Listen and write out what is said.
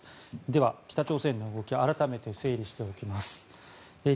では、北朝鮮の動き改めて整理しておきます。